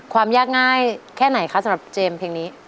ความยากง่ายแค่ไหนคะสำหรับเจมส์เพลงนี้